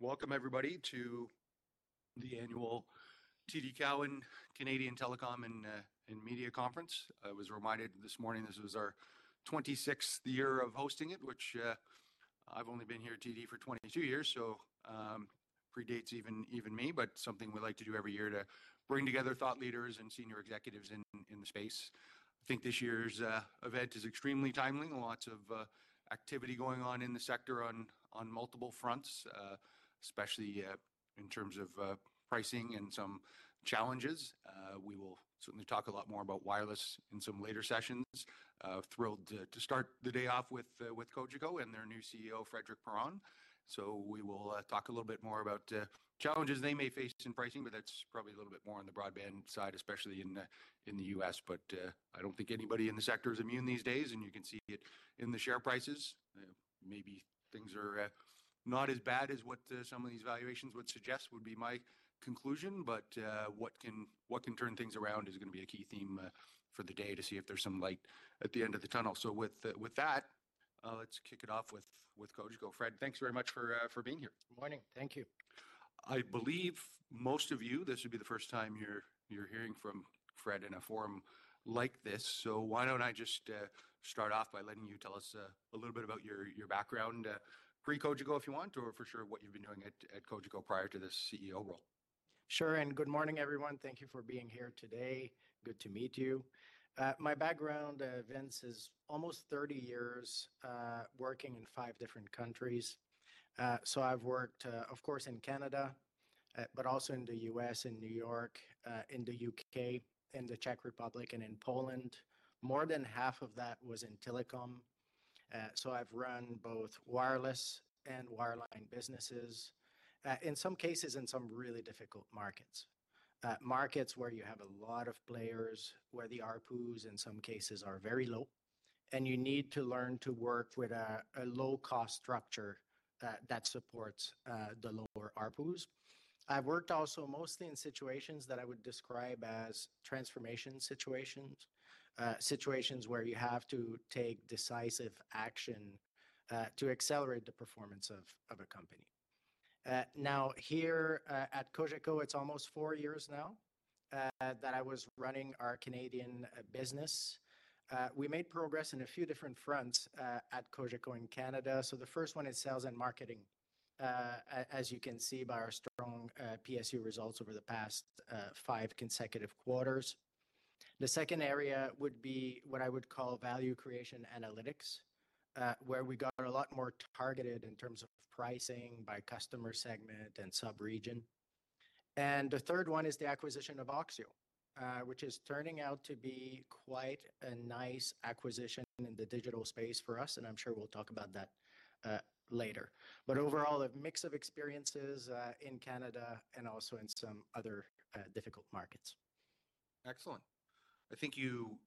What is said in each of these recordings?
Welcome everybody to the annual TD Cowen Canadian Telecom and Media Conference. I was reminded this morning, this was our 26th year of hosting it, which I've only been here at TD for 22 years, so predates even me. But something we like to do every year to bring together thought leaders and senior executives in the space. I think this year's event is extremely timely, and lots of activity going on in the sector on multiple fronts, especially in terms of pricing and some challenges. We will certainly talk a lot more about wireless in some later sessions. Thrilled to start the day off with Cogeco and their new CEO, Frédéric Perron. So we will talk a little bit more about challenges they may face in pricing, but that's probably a little bit more on the broadband side, especially in the U.S. But I don't think anybody in the sector is immune these days, and you can see it in the share prices. Maybe things are not as bad as what some of these valuations would suggest, would be my conclusion. But what can turn things around is going to be a key theme for the day to see if there's some light at the end of the tunnel. So with that, let's kick it off with Cogeco. Fred, thanks very much for being here. Good morning. Thank you. I believe most of you, this will be the first time you're hearing from Fred in a forum like this. So why don't I just start off by letting you tell us a little bit about your background pre-Cogeco, if you want, or for sure, what you've been doing at Cogeco prior to this CEO role? Sure, and good morning, everyone. Thank you for being here today. Good to meet you. My background, Vince, is almost 30 years working in 5 different countries. So I've worked, of course, in Canada, but also in the U.S., in New York, in the U.K., in the Czech Republic, and in Poland. More than half of that was in telecom. So I've run both wireless and wireline businesses, in some cases, in some really difficult markets. Markets where you have a lot of players, where the ARPUs, in some cases, are very low, and you need to learn to work with a low-cost structure that supports the lower ARPUs. I've worked also mostly in situations that I would describe as transformation situations, situations where you have to take decisive action, to accelerate the performance of, of a company. Now, here, at Cogeco, it's almost four years now, that I was running our Canadian business. We made progress in a few different fronts, at Cogeco in Canada. So the first one is sales and marketing, as you can see by our strong PSU results over the past five consecutive quarters. The second area would be what I would call value creation analytics, where we got a lot more targeted in terms of pricing by customer segment and sub-region. And the third one is the acquisition of oxio, which is turning out to be quite a nice acquisition in the digital space for us, and I'm sure we'll talk about that, later. But overall, a mix of experiences in Canada and also in some other difficult markets. Excellent. I think you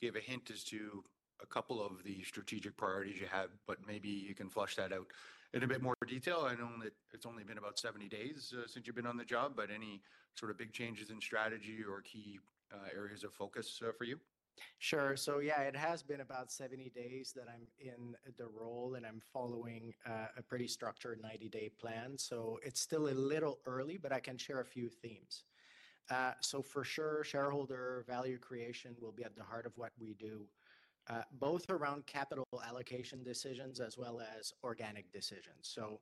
gave a hint as to a couple of the strategic priorities you have, but maybe you can flesh that out in a bit more detail. I know that it's only been about 70 days since you've been on the job, but any sort of big changes in strategy or key areas of focus for you? Sure. So yeah, it has been about 70 days that I'm in the role, and I'm following a pretty structured 90-day plan. So it's still a little early, but I can share a few themes. So for sure, shareholder value creation will be at the heart of what we do, both around capital allocation decisions as well as organic decisions. So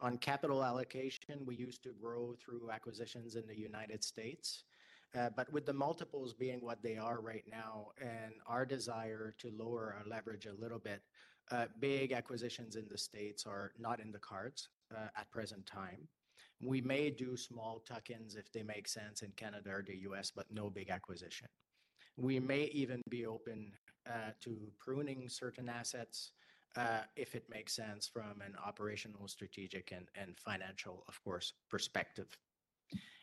on capital allocation, we used to grow through acquisitions in the United States, but with the multiples being what they are right now and our desire to lower our leverage a little bit, big acquisitions in the States are not in the cards, at present time. We may do small tuck-ins if they make sense in Canada or the U.S., but no big acquisition. We may even be open to pruning certain assets if it makes sense from an operational, strategic, and financial, of course, perspective.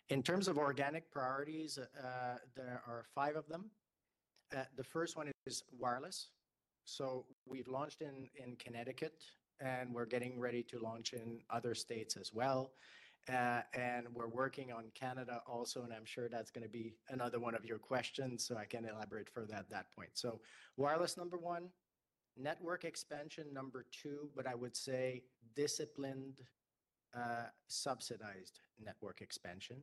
In terms of organic priorities, there are five of them. The first one is wireless. So we've launched in Connecticut, and we're getting ready to launch in other states as well. We're working on Canada also, and I'm sure that's gonna be another one of your questions, so I can elaborate further at that point. So wireless, number one; network expansion, number two, but I would say disciplined subsidized network expansion.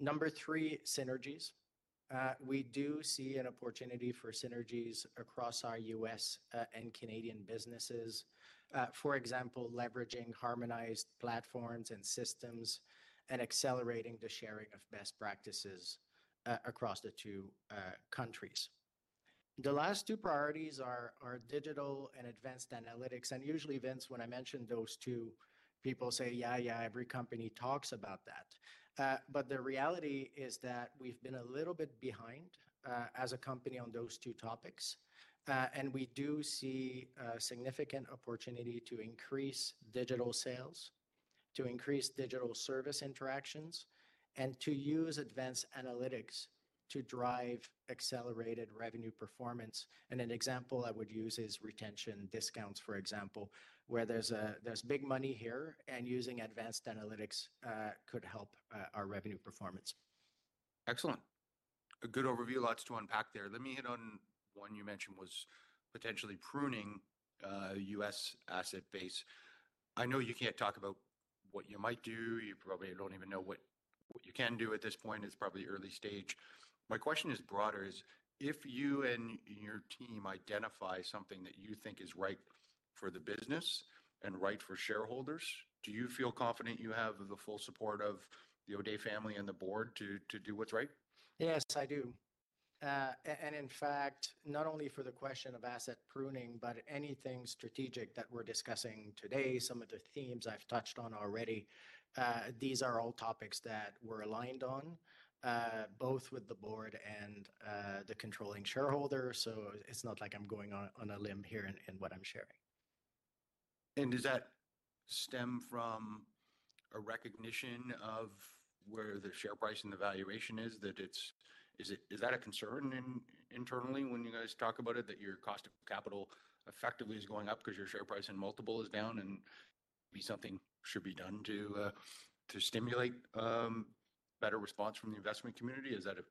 Number three, synergies. We do see an opportunity for synergies across our U.S. and Canadian businesses. For example, leveraging harmonized platforms and systems and accelerating the sharing of best practices across the two countries. The last two priorities are digital and advanced analytics, and usually, Vince, when I mention those two, people say, "Yeah, yeah, every company talks about that." But the reality is that we've been a little bit behind as a company on those two topics, and we do see a significant opportunity to increase digital sales, to increase digital service interactions, and to use advanced analytics to drive accelerated revenue performance. And an example I would use is retention discounts, for example, where there's big money here, and using advanced analytics could help our revenue performance. Excellent. A good overview. Lots to unpack there. Let me hit on one you mentioned was potentially pruning U.S. asset base. I know you can't talk about what you might do. You probably don't even know what you can do at this point. It's probably early stage. My question is broader: if you and your team identify something that you think is right for the business and right for shareholders, do you feel confident you have the full support of the Audet family and the board to do what's right? Yes, I do. And in fact, not only for the question of asset pruning, but anything strategic that we're discussing today, some of the themes I've touched on already, these are all topics that we're aligned on, both with the board and the controlling shareholder. So it's not like I'm going on a limb here in what I'm sharing. Does that stem from a recognition of where the share price and the valuation is, that it's ... is that a concern internally when you guys talk about it, that your cost of capital effectively is going up 'cause your share price and multiple is down, and maybe something should be done to stimulate better response from the investment community? Is that a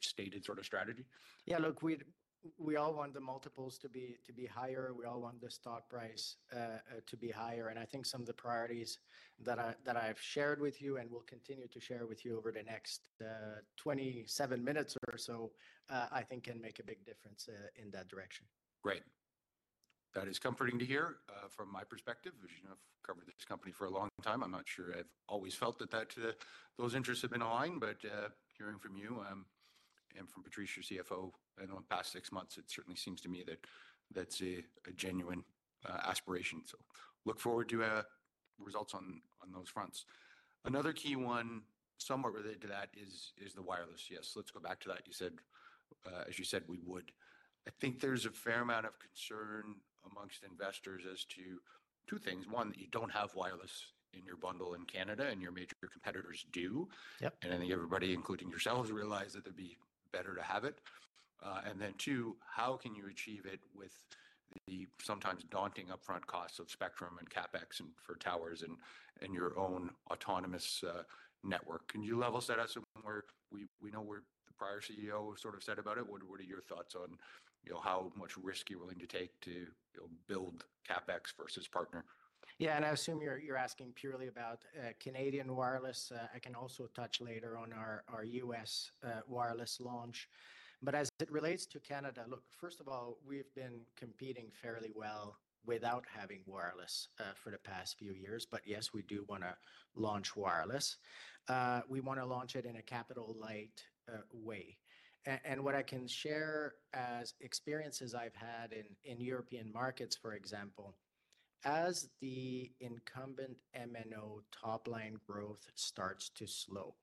stated sort of strategy? Yeah, look, we all want the multiples to be higher. We all want the stock price to be higher, and I think some of the priorities that I've shared with you and will continue to share with you over the next 27 minutes or so, I think can make a big difference in that direction. Great. That is comforting to hear, from my perspective. As you know, I've covered this company for a long time. I'm not sure I've always felt that those interests have been aligned, but, hearing from you, and from Patrice, your CFO, in the past six months, it certainly seems to me that that's a genuine aspiration. So look forward to results on those fronts. Another key one, somewhat related to that, is the wireless. Yes, let's go back to that, as you said we would. I think there's a fair amount of concern among investors as to two things. One, that you don't have wireless in your bundle in Canada, and your major competitors do. Yep. I think everybody, including yourselves, realize that it'd be better to have it. And then too, how can you achieve it with the sometimes daunting upfront costs of spectrum and CapEx and for towers and your own autonomous network? Can you level set us somewhere we know where the prior CEO sort of said about it? What are your thoughts on, you know, how much risk you're willing to take to, you know, build CapEx versus partner? Yeah, and I assume you're asking purely about Canadian wireless. I can also touch later on our U.S. wireless launch. But as it relates to Canada, look, first of all, we've been competing fairly well without having wireless for the past few years, but yes, we do wanna launch wireless. We wanna launch it in a capital light way. And what I can share as experiences I've had in European markets, for example, as the incumbent MNO top-line growth starts to slow,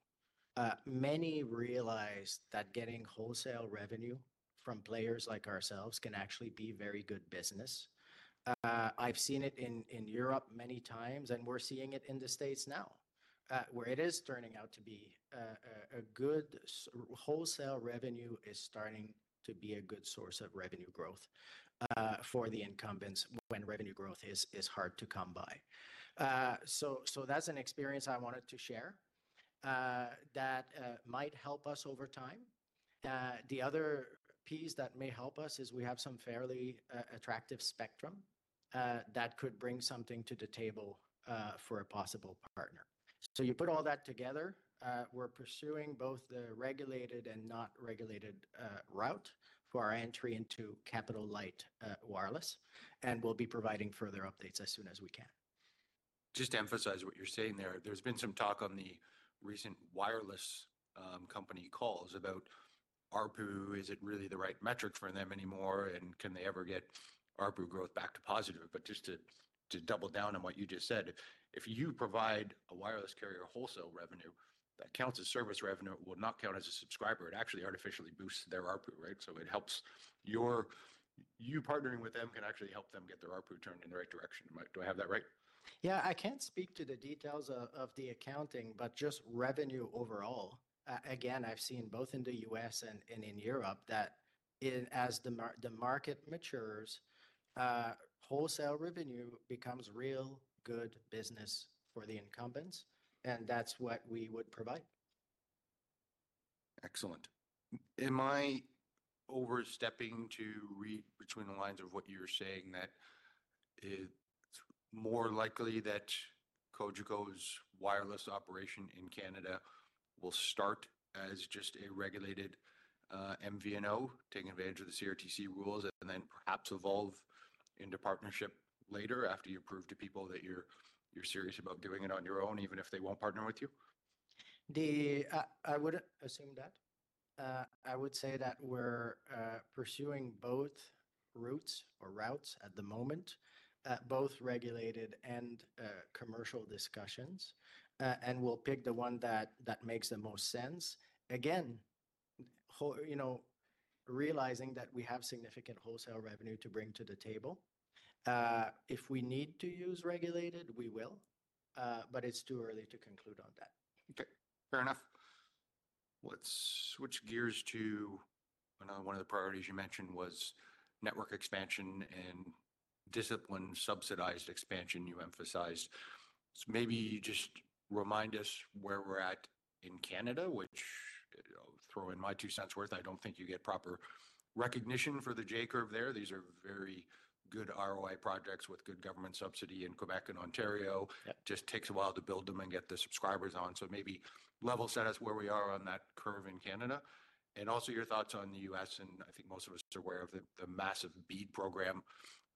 many realize that getting wholesale revenue from players like ourselves can actually be very good business. I've seen it in Europe many times, and we're seeing it in the States now, where it is turning out to be a good... Wholesale revenue is starting to be a good source of revenue growth for the incumbents when revenue growth is hard to come by. So that's an experience I wanted to share that might help us over time. The other piece that may help us is we have some fairly attractive spectrum that could bring something to the table for a possible partner. So you put all that together, we're pursuing both the regulated and not regulated route for our entry into capital light wireless, and we'll be providing further updates as soon as we can. Just to emphasize what you're saying there, there's been some talk on the recent wireless company calls about ARPU. Is it really the right metric for them anymore, and can they ever get ARPU growth back to positive? But just to double down on what you just said, if you provide a wireless carrier wholesale revenue, that counts as service revenue. It will not count as a subscriber. It actually artificially boosts their ARPU, right? So it helps your... You partnering with them can actually help them get their ARPU turned in the right direction. Do I have that right? Yeah, I can't speak to the details of the accounting, but just revenue overall. Again, I've seen both in the U.S. and in Europe, that as the market matures, wholesale revenue becomes real good business for the incumbents, and that's what we would provide. Excellent. Am I overstepping to read between the lines of what you're saying, that it's more likely that Cogeco's wireless operation in Canada will start as just a regulated, MVNO, taking advantage of the CRTC rules and then perhaps evolve into partnership later after you prove to people that you're serious about doing it on your own, even if they won't partner with you? I wouldn't assume that. I would say that we're pursuing both routes at the moment, both regulated and commercial discussions, and we'll pick the one that makes the most sense. Again, you know, realizing that we have significant wholesale revenue to bring to the table, if we need to use regulated, we will, but it's too early to conclude on that. Okay, fair enough. Let's switch gears to another one of the priorities you mentioned was network expansion and disciplined, subsidized expansion you emphasized. So maybe just remind us where we're at in Canada, which, you know, throw in my two cents worth, I don't think you get proper recognition for the J-curve there. These are very good ROI projects with good government subsidy in Quebec and Ontario. Yeah. Just takes a while to build them and get the subscribers on. So maybe level set us where we are on that curve in Canada, and also your thoughts on the U.S., and I think most of us are aware of the massive BEAD program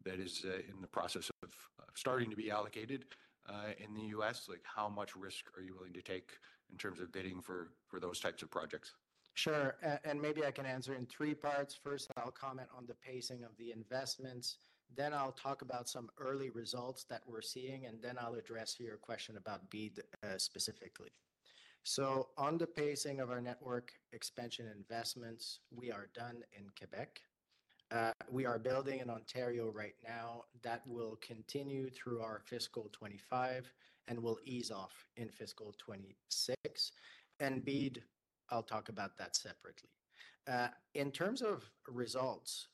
that is in the process of starting to be allocated in the U.S. Like, how much risk are you willing to take in terms of bidding for those types of projects? Sure, and maybe I can answer in three parts. First, I'll comment on the pacing of the investments, then I'll talk about some early results that we're seeing, and then I'll address your question about BEAD, specifically. So on the pacing of our network expansion investments, we are done in Quebec. We are building in Ontario right now. That will continue through our fiscal 2025, and will ease off in fiscal 2026. And BEAD, I'll talk about that separately. In terms of results,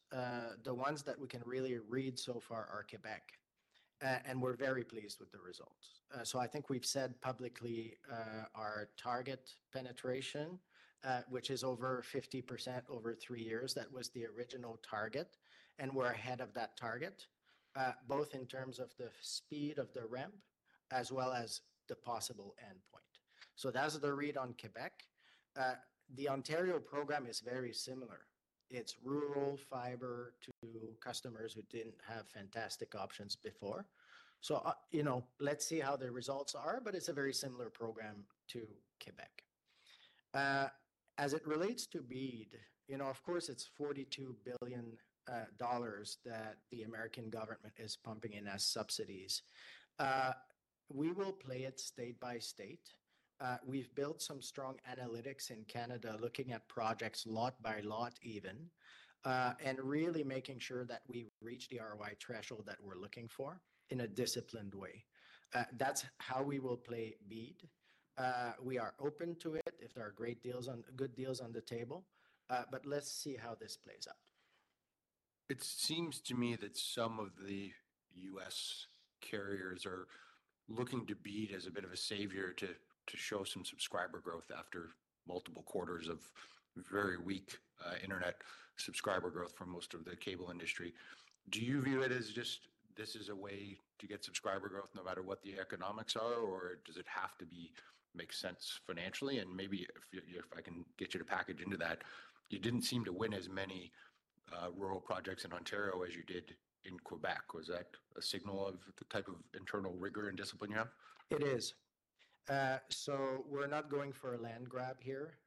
the ones that we can really read so far are Quebec. And we're very pleased with the results. So I think we've said publicly, our target penetration, which is over 50% over three years, that was the original target, and we're ahead of that target, both in terms of the speed of the ramp as well as the possible endpoint. So that is the read on Quebec. The Ontario program is very similar. It's rural fiber to customers who didn't have fantastic options before. So, you know, let's see how the results are, but it's a very similar program to Quebec. As it relates to BEAD, you know, of course, it's $42 billion dollars that the American government is pumping in as subsidies. We will play it state by state. We've built some strong analytics in Canada, looking at projects lot by lot even, and really making sure that we reach the ROI threshold that we're looking for in a disciplined way. That's how we will play BEAD. We are open to it if there are great deals on... good deals on the table, but let's see how this plays out. It seems to me that some of the U.S. carriers are looking to BEAD as a bit of a savior to, to show some subscriber growth after multiple quarters of very weak, internet subscriber growth for most of the cable industry. Do you view it as just this is a way to get subscriber growth, no matter what the economics are, or does it have to be make sense financially? And maybe if, if I can get you to package into that, you didn't seem to win as many, rural projects in Ontario as you did in Quebec. Was that a signal of the type of internal rigor and discipline you have? It is. So we're not going for a land grab here.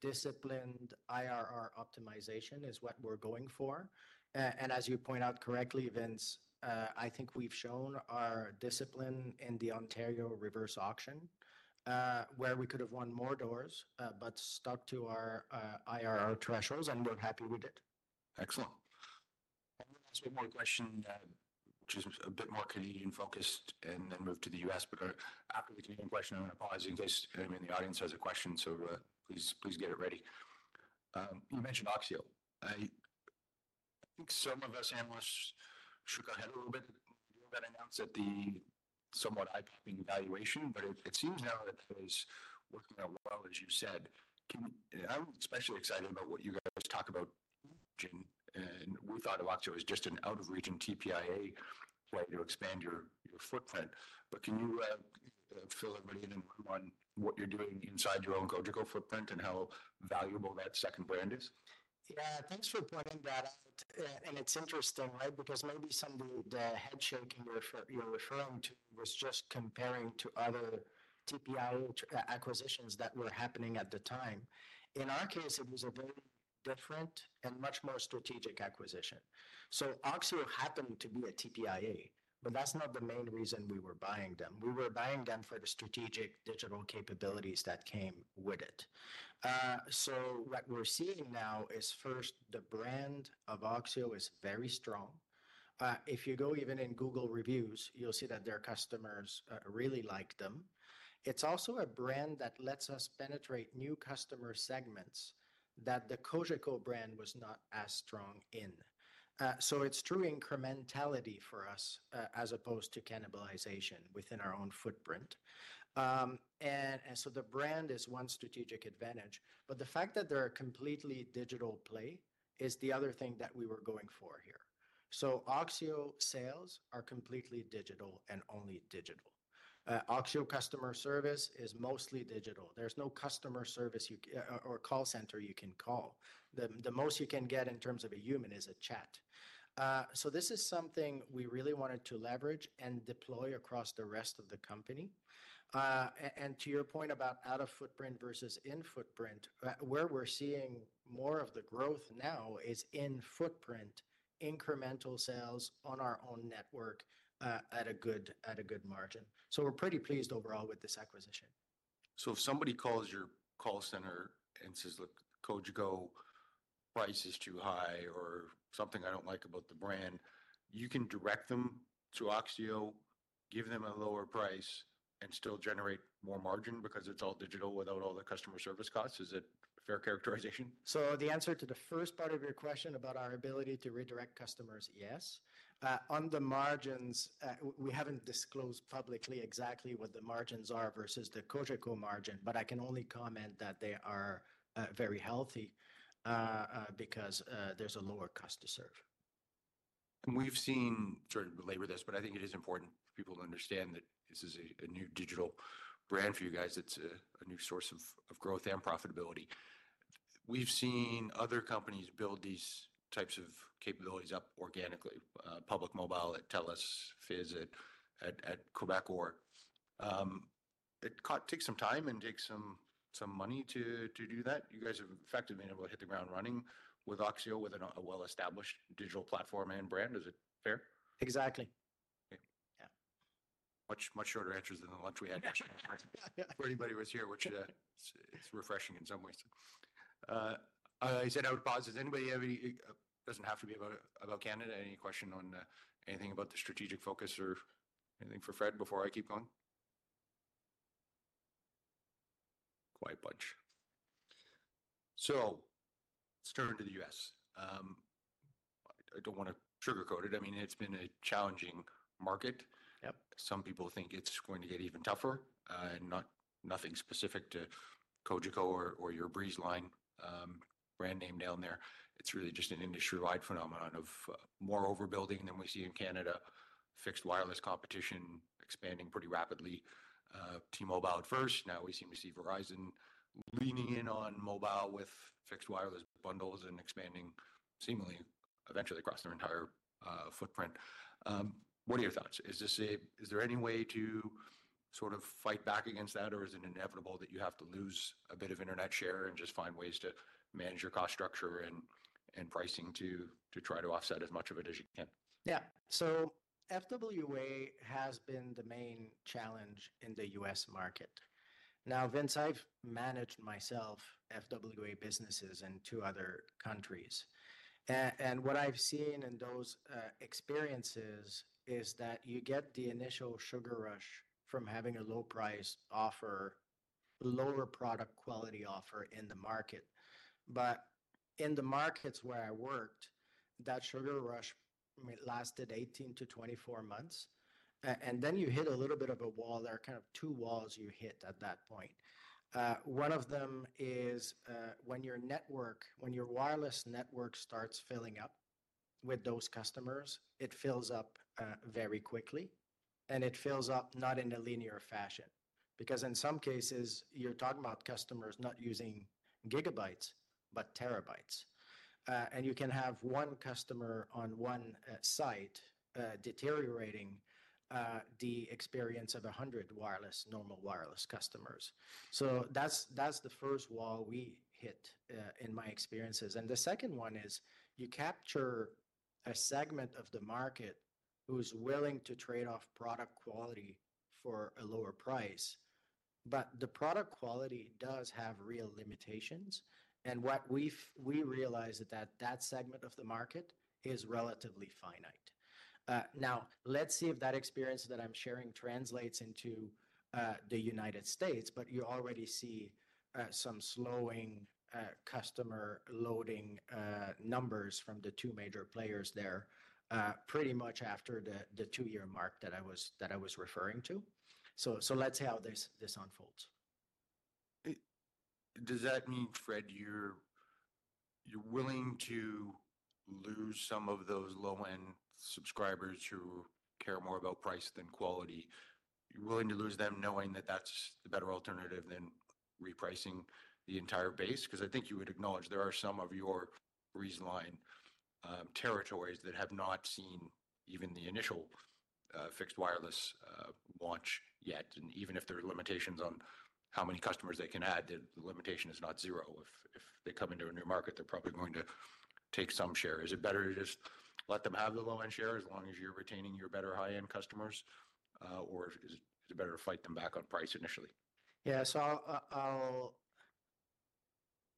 Disciplined IRR optimization is what we're going for. And as you point out correctly, Vince, I think we've shown our discipline in the Ontario reverse auction, where we could have won more doors, but stuck to our IRR thresholds, and we're happy we did. Excellent. I'm going to ask one more question, which is a bit more Canadian-focused, and then move to the U.S., but after the Canadian question, I'm going to apologize in case anyone in the audience has a question, so please, please get it ready. You mentioned oxio. I think some of us analysts shook our head a little bit when that announced that the somewhat eye-popping valuation, but it seems now that it is working out well, as you said. Can you... And I'm especially excited about what you guys talk about, and we thought of oxio as just an out-of-region TPIA way to expand your footprint, but can you fill everybody in on what you're doing inside your own Cogeco footprint and how valuable that second brand is? Yeah, thanks for pointing that out. And it's interesting, right? Because maybe some of the head shaking you're referring to was just comparing to other TPIA acquisitions that were happening at the time. In our case, it was a very different and much more strategic acquisition. So oxio happened to be a TPIA, but that's not the main reason we were buying them. We were buying them for the strategic digital capabilities that came with it. So what we're seeing now is, first, the brand of oxio is very strong. If you go even in Google Reviews, you'll see that their customers really like them. It's also a brand that lets us penetrate new customer segments that the Cogeco brand was not as strong in. So it's true incrementality for us, as opposed to cannibalization within our own footprint. And so the brand is one strategic advantage, but the fact that they're a completely digital play is the other thing that we were going for here. So oxio sales are completely digital and only digital. oxio customer service is mostly digital. There's no customer service or call center you can call. The most you can get in terms of a human is a chat. So this is something we really wanted to leverage and deploy across the rest of the company. And to your point about out-of-footprint versus in-footprint, where we're seeing more of the growth now is in-footprint, incremental sales on our own network, at a good margin. So we're pretty pleased overall with this acquisition. So if somebody calls your call center and says, "Look, Cogeco price is too high," or, "Something I don't like about the brand," you can direct them to oxio?... give them a lower price and still generate more margin because it's all digital without all the customer service costs? Is it a fair characterization? So the answer to the first part of your question about our ability to redirect customers, yes. On the margins, we haven't disclosed publicly exactly what the margins are versus the Cogeco margin, but I can only comment that they are very healthy because there's a lower cost to serve. We've seen... Sorry to belabor this, but I think it is important for people to understand that this is a new digital brand for you guys. It's a new source of growth and profitability. We've seen other companies build these types of capabilities up organically, Public Mobile at Telus, Fizz at Quebecor. It takes some time and takes some money to do that. You guys have effectively been able to hit the ground running with oxio, with a well-established digital platform and brand. Is it fair? Exactly. Okay. Yeah. Much, much shorter answers than the lunch we had yesterday... for anybody who was here, which, it's refreshing in some ways. I said I would pause. Does anybody have any... It doesn't have to be about, about Canada. Any question on, anything about the strategic focus or anything for Fred before I keep going? Quiet bunch. So let's turn to the U.S. I don't want to sugarcoat it. I mean, it's been a challenging market. Yep. Some people think it's going to get even tougher, not nothing specific to Cogeco or, or your Breezeline, brand name down there. It's really just an industry-wide phenomenon of, more overbuilding than we see in Canada, fixed wireless competition expanding pretty rapidly. T-Mobile at first, now we seem to see Verizon leaning in on mobile with fixed wireless bundles and expanding seemingly eventually across their entire, footprint. What are your thoughts? Is this is there any way to sort of fight back against that, or is it inevitable that you have to lose a bit of internet share and just find ways to manage your cost structure and, and pricing to, to try to offset as much of it as you can? Yeah. So FWA has been the main challenge in the U.S. market. Now, Vince, I've managed myself FWA businesses in two other countries, and what I've seen in those experiences is that you get the initial sugar rush from having a low price offer, lower product quality offer in the market. But in the markets where I worked, that sugar rush it lasted 18-24 months, and then you hit a little bit of a wall. There are kind of two walls you hit at that point. One of them is when your wireless network starts filling up with those customers, it fills up very quickly, and it fills up not in a linear fashion. Because in some cases, you're talking about customers not using gigabytes, but terabytes. And you can have one customer on one site, deteriorating the experience of 100 wireless, normal wireless customers. So that's, that's the first wall we hit, in my experiences. And the second one is, you capture a segment of the market who's willing to trade off product quality for a lower price, but the product quality does have real limitations. And what we've- we realized that, that that segment of the market is relatively finite. Now, let's see if that experience that I'm sharing translates into the United States, but you already see some slowing customer loading numbers from the two major players there, pretty much after the, the two-year mark that I was, that I was referring to. So, so let's see how this, this unfolds. Does that mean, Fred, you're willing to lose some of those low-end subscribers who care more about price than quality? You're willing to lose them knowing that that's the better alternative than repricing the entire base? 'Cause I think you would acknowledge there are some of your Breezeline territories that have not seen even the initial fixed wireless launch yet. And even if there are limitations on how many customers they can add, the limitation is not zero. If they come into a new market, they're probably going to take some share. Is it better to just let them have the low-end share as long as you're retaining your better high-end customers, or is it better to fight them back on price initially? Yeah, so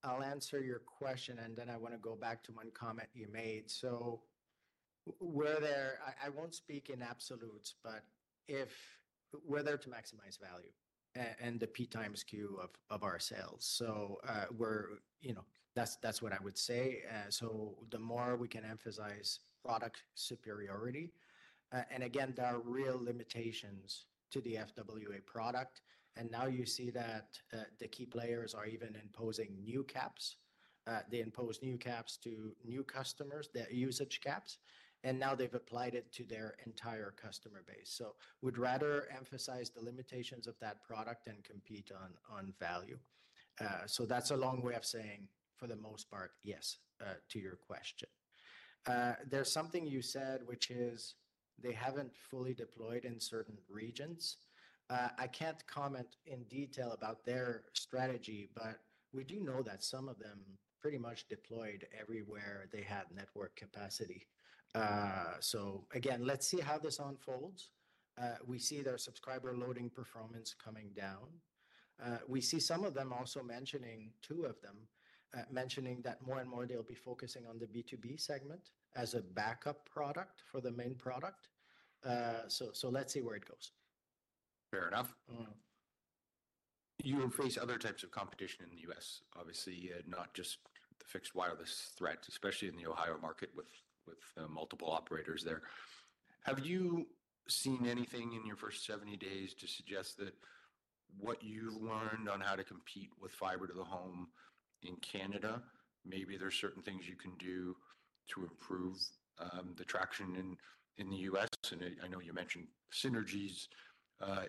I'll answer your question, and then I want to go back to one comment you made. So we're there—I won't speak in absolutes, but if we're there to maximize value, and the P times Q of our sales. So, you know, that's what I would say. So the more we can emphasize product superiority, and again, there are real limitations to the FWA product. And now you see that the key players are even imposing new caps. They impose new caps to new customers, the usage caps, and now they've applied it to their entire customer base. So we'd rather emphasize the limitations of that product and compete on value. So that's a long way of saying, for the most part, yes, to your question. There's something you said, which is they haven't fully deployed in certain regions. I can't comment in detail about their strategy, but we do know that some of them pretty much deployed everywhere they had network capacity. So again, let's see how this unfolds. We see their subscriber loading performance coming down. We see some of them also mentioning, two of them, mentioning that more and more they'll be focusing on the B2B segment as a backup product for the main product. So, so let's see where it goes. Fair enough. Mm. You face other types of competition in the U.S., obviously, not just the fixed wireless threats, especially in the Ohio market with multiple operators there. Have you seen anything in your first 70 days to suggest that what you learned on how to compete with fiber to the home in Canada, maybe there are certain things you can do to improve the traction in the U.S.? And I know you mentioned synergies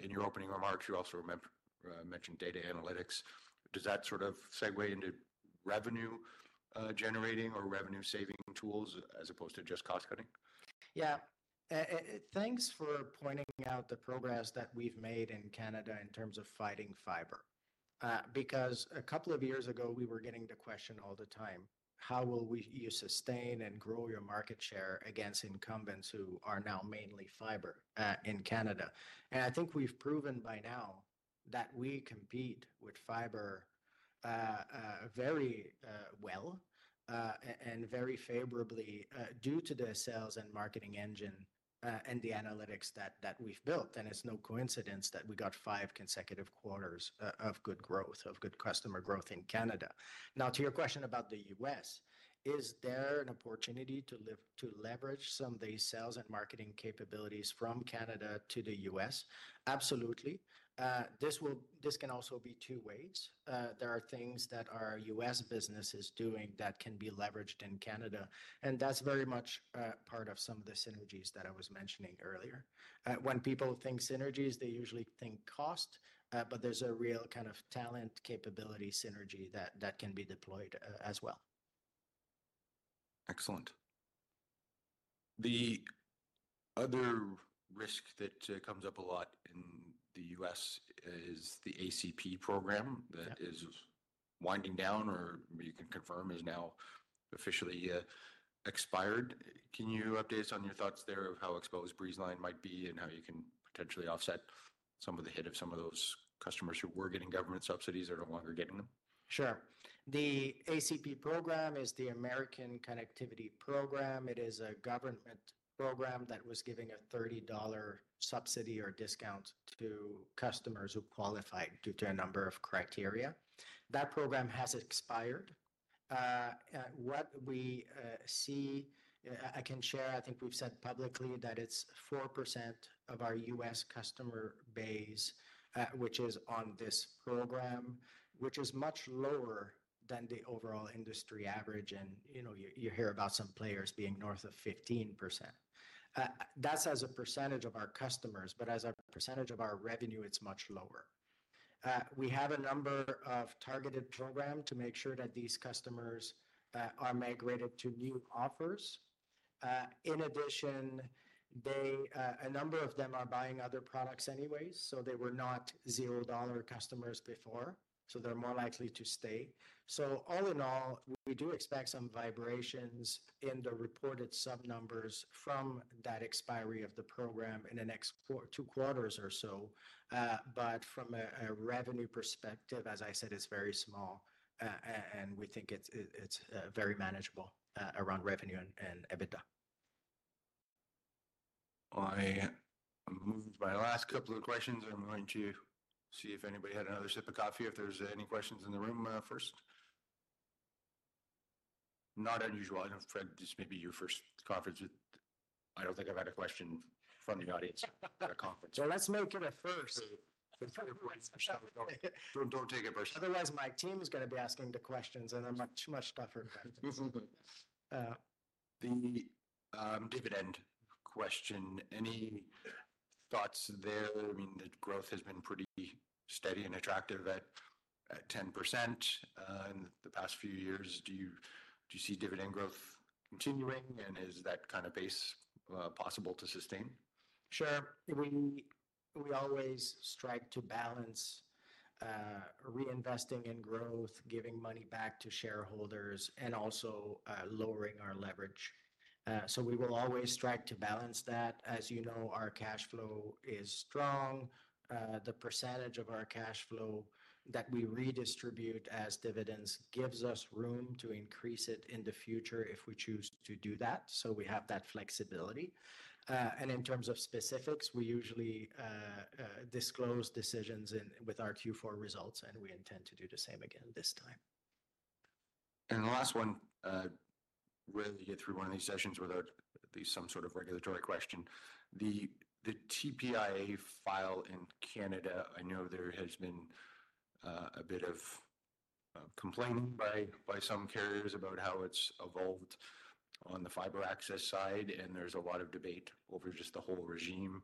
in your opening remarks. You also mentioned data analytics. Does that sort of segue into revenue generating or revenue-saving tools, as opposed to just cost cutting? Yeah. Thanks for pointing out the progress that we've made in Canada in terms of building fiber. Because a couple of years ago, we were getting the question all the time: "How will you sustain and grow your market share against incumbents who are now mainly fiber in Canada?" And I think we've proven by now that we compete with fiber very well and very favorably due to the sales and marketing engine and the analytics that we've built. And it's no coincidence that we got five consecutive quarters of good growth, of good customer growth in Canada. Now, to your question about the U.S., is there an opportunity to leverage some of the sales and marketing capabilities from Canada to the U.S.? Absolutely. This can also be two ways. There are things that our U.S. business is doing that can be leveraged in Canada, and that's very much part of some of the synergies that I was mentioning earlier. When people think synergies, they usually think cost, but there's a real kind of talent, capability, synergy that can be deployed as well. Excellent. The other risk that comes up a lot in the U.S. is the ACP program- Yeah... that is winding down, or you can confirm, is now officially expired. Can you update us on your thoughts there of how exposed Breezeline might be, and how you can potentially offset some of the hit of some of those customers who were getting government subsidies are no longer getting them? Sure. The ACP program is the Affordable Connectivity Program. It is a government program that was giving a $30 subsidy or discount to customers who qualified due to a number of criteria. That program has expired. What we see, I can share, I think we've said publicly, that it's 4% of our U.S. customer base, which is on this program, which is much lower than the overall industry average, and, you know, you hear about some players being north of 15%. That's as a percentage of our customers, but as a percentage of our revenue, it's much lower. We have a number of targeted program to make sure that these customers are migrated to new offers. In addition, they, a number of them are buying other products anyways, so they were not zero-dollar customers before, so they're more likely to stay. So all in all, we do expect some variations in the reported sub numbers from that expiry of the program in the next two quarters or so. But from a revenue perspective, as I said, it's very small, and we think it's very manageable around revenue and EBITDA. I moved my last couple of questions. I'm going to see if anybody had another sip of coffee, if there's any questions in the room first. Not unusual. I know, Fred, this may be your first conference, but I don't think I've had a question from the audience at a conference. Well, let's make it a first. Don't take it personally. Otherwise, my team is gonna be asking the questions, and I'm not too much tougher than that. The dividend question, any thoughts there? I mean, the growth has been pretty steady and attractive at 10% in the past few years. Do you see dividend growth continuing, and is that kind of pace possible to sustain? Sure. We, we always strive to balance reinvesting in growth, giving money back to shareholders, and also lowering our leverage. So we will always strive to balance that. As you know, our cash flow is strong. The percentage of our cash flow that we redistribute as dividends gives us room to increase it in the future if we choose to do that, so we have that flexibility. And in terms of specifics, we usually disclose decisions in with our Q4 results, and we intend to do the same again this time. And the last one, rarely get through one of these sessions without at least some sort of regulatory question. The TPIA file in Canada, I know there has been a bit of complaining by some carriers about how it's evolved on the fiber access side, and there's a lot of debate over just the whole regime.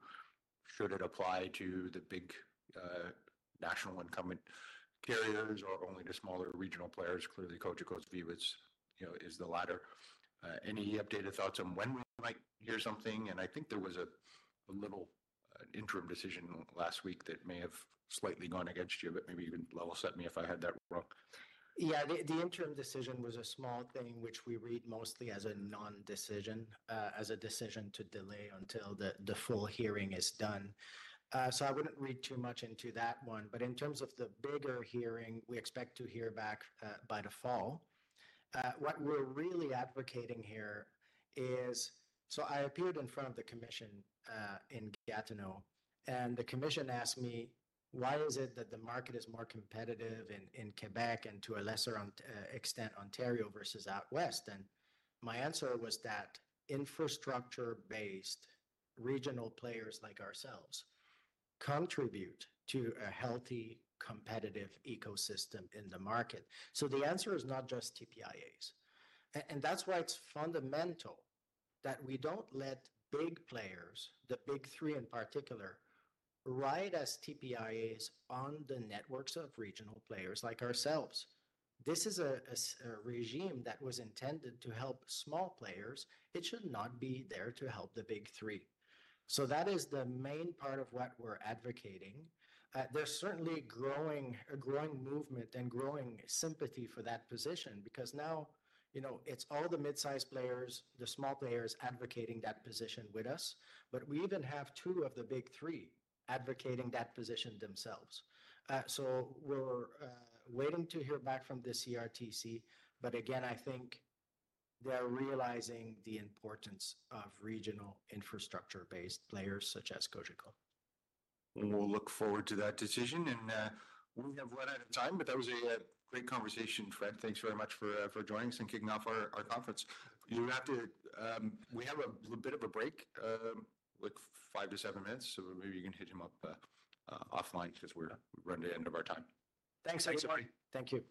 Should it apply to the big national incumbent carriers or only to smaller regional players? Clearly, Cogeco's view is, you know, is the latter. Any updated thoughts on when we might hear something? And I think there was a little, an interim decision last week that may have slightly gone against you, but maybe you can level-set me if I had that wrong.... Yeah, the interim decision was a small thing, which we read mostly as a non-decision, as a decision to delay until the full hearing is done. So I wouldn't read too much into that one, but in terms of the bigger hearing, we expect to hear back by the fall. What we're really advocating here is... So I appeared in front of the commission in Gatineau, and the commission asked me, "Why is it that the market is more competitive in Quebec and, to a lesser extent, Ontario versus out west?" And my answer was that infrastructure-based regional players like ourselves contribute to a healthy, competitive ecosystem in the market. So the answer is not just TPIAs. And that's why it's fundamental that we don't let big players, the Big Three in particular, ride as TPIAs on the networks of regional players like ourselves. This is a regime that was intended to help small players. It should not be there to help the Big Three. So that is the main part of what we're advocating. There's certainly a growing movement and growing sympathy for that position because now, you know, it's all the mid-sized players, the small players advocating that position with us, but we even have two of the Big Three advocating that position themselves. So we're waiting to hear back from the CRTC, but again, I think they're realizing the importance of regional infrastructure-based players such as Cogeco. We'll look forward to that decision, and we have run out of time, but that was a great conversation, Fred. Thanks very much for joining us and kicking off our conference. You have to. We have a bit of a break, like 5-7 minutes, so maybe you can hit him up offline, because we've run to the end of our time. Thanks, everybody. Thanks a lot. Thank you.